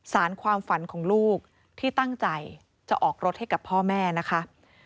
สารความฝันของลูกที่ตั้งใจจะออกรถให้กับพ่อแม่นะคะ